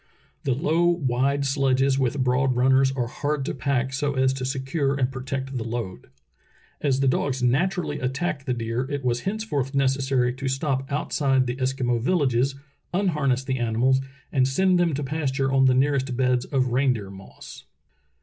The low, wide sledges with broad runners are hard to pack so as to secure and protect the load. " As the dogs naturally attack the deer, it was henceforth necessary to stop outside 282 True Tales of Arctic Heroism the Eskimo villages, unharness the animals, and send them to pasture on the nearest beds of reindeer moss.